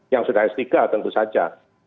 yang sudah s tiga tentu saja